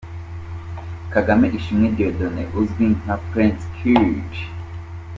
Kagame Ishimwe Dieudonne uzwi nka Prince Kid.